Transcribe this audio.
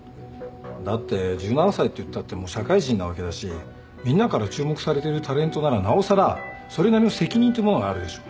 だって１７歳っていったってもう社会人なわけだしみんなから注目されてるタレントならなおさらそれなりの責任ってものがあるでしょ。